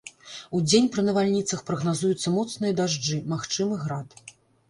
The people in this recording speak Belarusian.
Удзень пры навальніцах прагназуюцца моцныя дажджы, магчымы град.